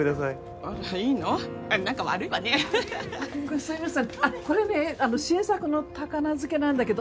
すいません。